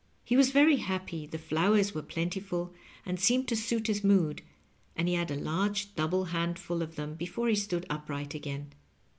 He was very happy, the fiowers were plentiful and seemed to suit his mood, and he had a large double handful of them before he stood upright again.